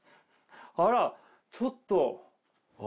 あらちょっと。